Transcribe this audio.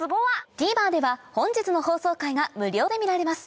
ＴＶｅｒでは本日の放送回が無料で見られます